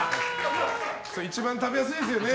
一番食べやすいですよね。